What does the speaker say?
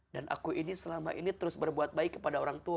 dan aku ini selama ini terus berbuat baik kepada orang tua